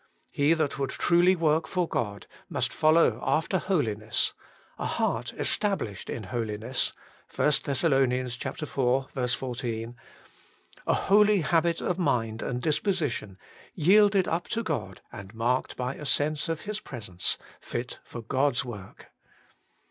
He that would truly work for God must follow after holi ness ;' a heart established in holiness ' (i Thess. iv. 14), a holy habit of mind and disposition, yielded up to God and marked by a sense of His presence, fit for God's work.